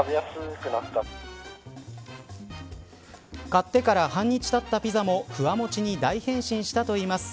買ってから半日たったピザもふわもちに大変身したといいます。